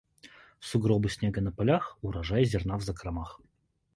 Сугробы снега на полях - урожай зерна в закромах.